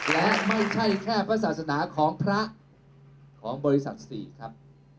และไม่ใช่แค่พระศาสนาของพระของบริษัท๔ครับ